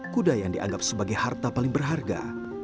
kuda yang dianggap sebagai harta paling berharga